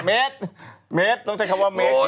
เมตรต้องใช้คำว่าเมจ